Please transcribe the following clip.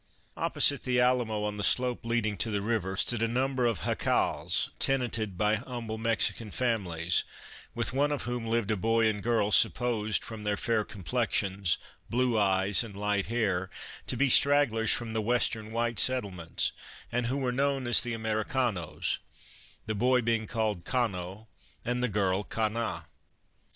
Opposite the Alamo on the slope leading to the river stood a number of jacals tenanted by humble Mexican families, with one of whom lived a boy and girl supposed from their fair complexions, blue eyes and light hair, to be stragglers from the western white settlements, and who were known as the Americanos — the boy being called Cano and the girl Cana.